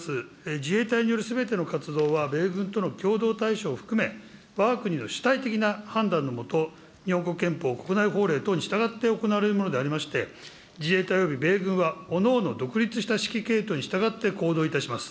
自衛隊によるすべての活動は、米軍との共同対処を含め、わが国の主体的な判断のもと、日本国憲法国内法令等に従って行われるものでありまして、自衛隊および米軍は、おのおの独立した指揮系統に従って行動いたします。